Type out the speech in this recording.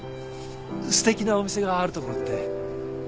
すてきなお店があるところって。